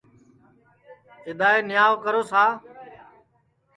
اِدائے نِیاو کرو سا